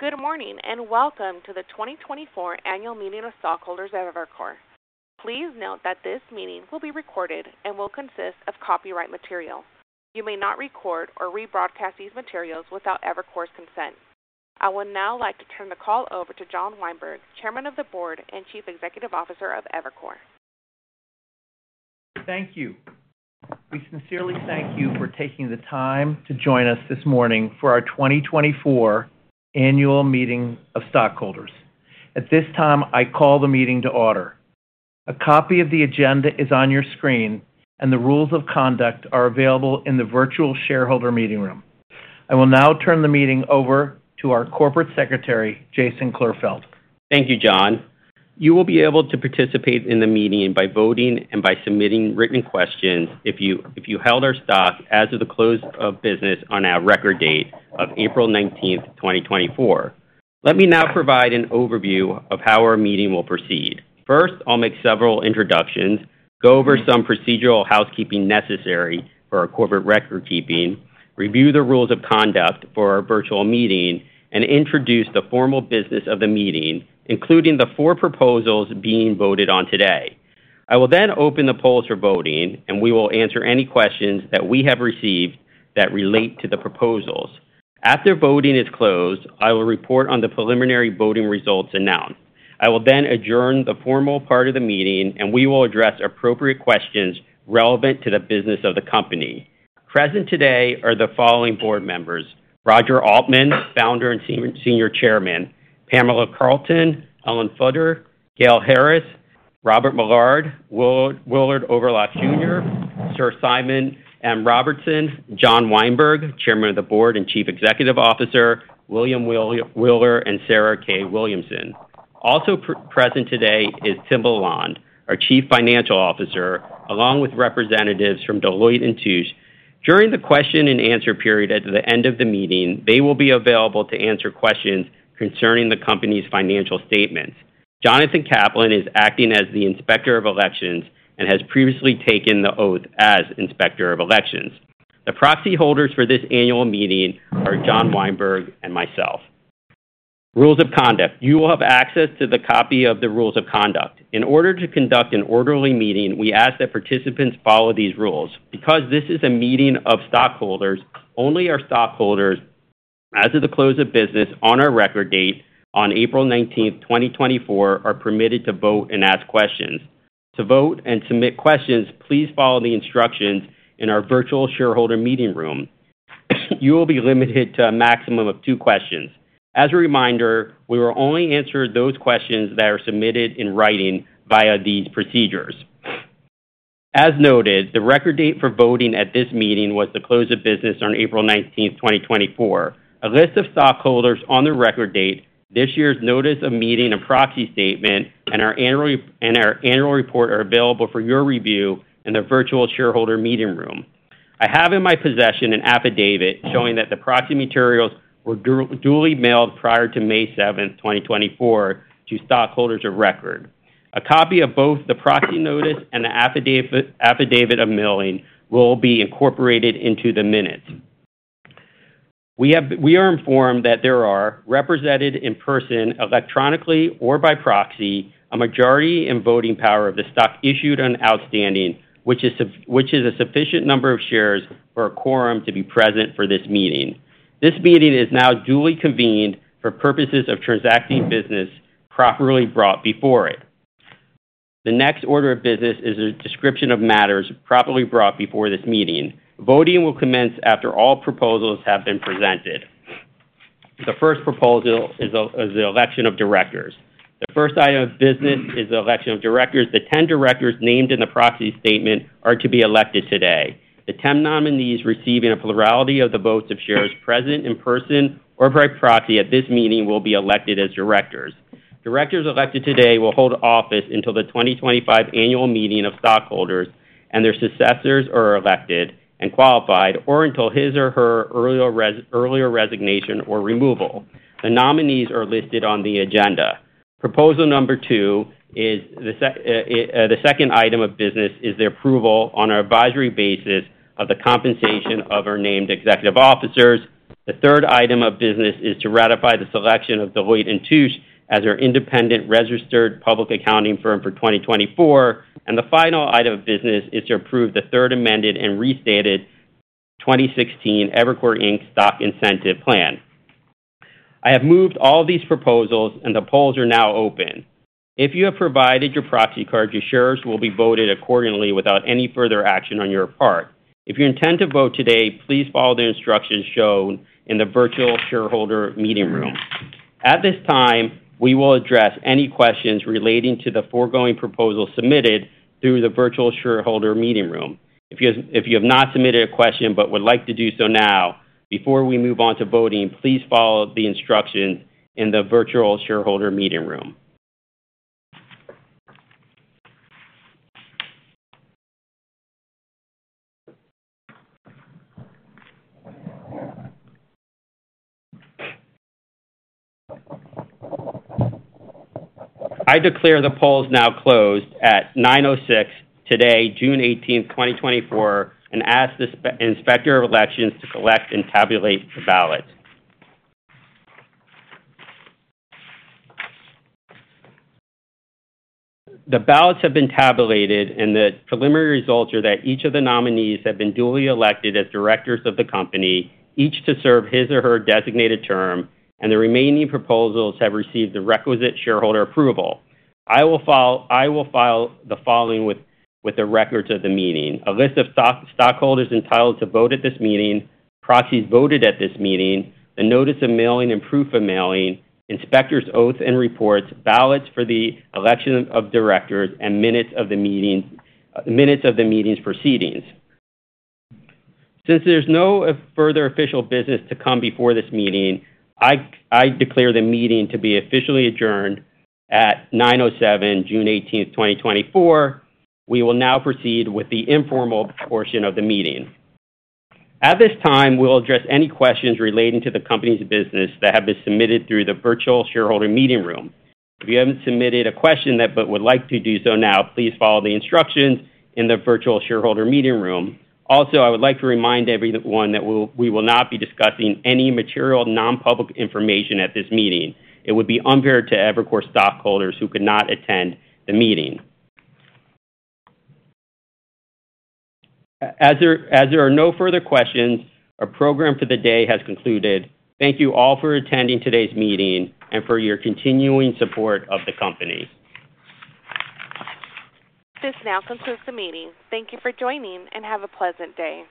Good morning, and welcome to the 2024 Annual Meeting of Stockholders at Evercore. Please note that this meeting will be recorded and will consist of copyright material. You may not record or rebroadcast these materials without Evercore's consent. I would now like to turn the call over to John Weinberg, Chairman of the Board and Chief Executive Officer of Evercore. Thank you. We sincerely thank you for taking the time to join us this morning for our 2024 Annual Meeting of Stockholders. At this time, I call the meeting to order. A copy of the agenda is on your screen, and the rules of conduct are available in the virtual shareholder meeting room. I will now turn the meeting over to our Corporate Secretary, Jason Klurfeld. Thank you, John. You will be able to participate in the meeting by voting and by submitting written questions if you held our stock as of the close of business on our record date of April 19th, 2024. Let me now provide an overview of how our meeting will proceed. First, I'll make several introductions, go over some procedural housekeeping necessary for our corporate record keeping, review the rules of conduct for our virtual meeting, and introduce the formal business of the meeting, including the four proposals being voted on today. I will then open the polls for voting, and we will answer any questions that we have received that relate to the proposals. After voting is closed, I will report on the preliminary voting results announced. I will then adjourn the formal part of the meeting, and we will address appropriate questions relevant to the business of the company. Present today are the following board members: Roger Altman, Founder and Senior Chairman, Pamela Carlton, Ellen Futter, Gail Harris, Robert Millard, Willard Overlock Jr., Sir Simon M. Robertson, John Weinberg, Chairman of the Board and Chief Executive Officer, William Wheeler, and Sarah Williamson. Also present today is Tim LaLonde, our Chief Financial Officer, along with representatives from Deloitte & Touche. During the question and answer period at the end of the meeting, they will be available to answer questions concerning the company's financial statements. Jonathan Kaplan is acting as the Inspector of Elections and has previously taken the oath as Inspector of Elections. The proxy holders for this annual meeting are John Weinberg and myself. Rules of conduct. You will have access to the copy of the rules of conduct. In order to conduct an orderly meeting, we ask that participants follow these rules. Because this is a meeting of stockholders, only our stockholders, as of the close of business on our record date on April 19th, 2024, are permitted to vote and ask questions. To vote and submit questions, please follow the instructions in our virtual shareholder meeting room. You will be limited to a maximum of two questions. As a reminder, we will only answer those questions that are submitted in writing via these procedures. As noted, the record date for voting at this meeting was the close of business on April 19th, 2024. A list of stockholders on the record date, this year's notice of meeting and proxy statement, and our annual report are available for your review in the virtual shareholder meeting room. I have in my possession an affidavit showing that the proxy materials were duly mailed prior to May 7th, 2024, to stockholders of record. A copy of both the proxy notice and the affidavit of mailing will be incorporated into the minutes. We are informed that there are represented in person, electronically, or by proxy, a majority in voting power of the stock issued and outstanding, which is a sufficient number of shares for a quorum to be present for this meeting. This meeting is now duly convened for purposes of transacting business properly brought before it. The next order of business is a description of matters properly brought before this meeting. Voting will commence after all proposals have been presented. The first proposal is the election of directors. The first item of business is the election of directors. The 10 directors named in the proxy statement are to be elected today. The 10 nominees receiving a plurality of the votes of shares present in person or by proxy at this meeting will be elected as directors. Directors elected today will hold office until the 2025 Annual Meeting of Stockholders and their successors are elected and qualified or until his or her earlier resignation or removal. The nominees are listed on the agenda. Proposal number two is the second item of business, the approval, on an advisory basis, of the compensation of our named executive officers. The third item of business is to ratify the selection of Deloitte & Touche as our independent registered public accounting firm for 2024, and the final item of business is to approve the Third Amended and Restated 2016 Evercore Inc. Stock Incentive Plan. I have moved all these proposals, and the polls are now open. If you have provided your proxy card, your shares will be voted accordingly without any further action on your part. If you intend to vote today, please follow the instructions shown in the virtual shareholder meeting room. At this time, we will address any questions relating to the foregoing proposal submitted through the virtual shareholder meeting room. If you have not submitted a question but would like to do so now, before we move on to voting, please follow the instructions in the virtual shareholder meeting room. I declare the polls now closed at 9:06 A.M. today, June 18th, 2024, and ask the Inspector of Elections to collect and tabulate the ballots. The ballots have been tabulated, and the preliminary results are that each of the nominees have been duly elected as directors of the company, each to serve his or her designated term, and the remaining proposals have received the requisite shareholder approval. I will file, I will file the following with the records of the meeting: a list of stockholders entitled to vote at this meeting, proxies voted at this meeting, the notice of mailing and proof of mailing, inspector's oaths and reports, ballots for the election of directors, and minutes of the meeting, minutes of the meeting's proceedings. Since there's no further official business to come before this meeting, I declare the meeting to be officially adjourned at 9:07 A.M., June 18th, 2024. We will now proceed with the informal portion of the meeting. At this time, we'll address any questions relating to the company's business that have been submitted through the virtual shareholder meeting room. If you haven't submitted a question yet but would like to do so now, please follow the instructions in the virtual shareholder meeting room. Also, I would like to remind everyone that we will not be discussing any material, non-public information at this meeting. It would be unfair to Evercore stockholders who could not attend the meeting. As there are no further questions, our program for the day has concluded. Thank you all for attending today's meeting and for your continuing support of the company. This now concludes the meeting. Thank you for joining, and have a pleasant day.